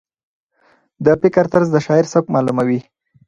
د فکر طرز د شاعر سبک معلوموي.